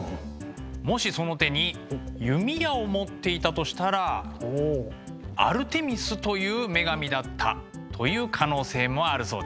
もしその手に弓矢を持っていたとしたらアルテミスという女神だったという可能性もあるそうです。